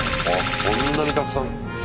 こんなにたくさん。